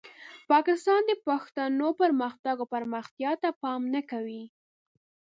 پاکستان د پښتنو پرمختګ او پرمختیا ته پام نه کوي.